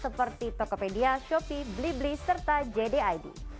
seperti tokopedia shopee blibli serta jdid